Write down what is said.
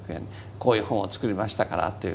こういう本を作りましたからという。